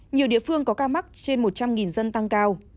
nhiều địa phương có ca mắc trên một trăm linh dân tăng cao